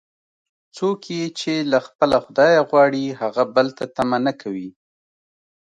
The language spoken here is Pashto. څوک یې چې له خپله خدایه غواړي، هغه بل ته طمعه نه کوي.